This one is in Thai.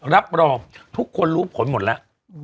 รับรองทุกคนรู้ผลหมดแล้ว